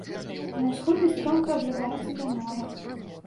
На ўсходзе стромка абрываюцца да мора.